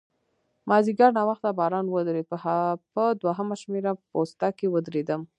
مازیګر ناوخته باران ودرېد، په دوهمه شمېره پوسته کې ودرېدم.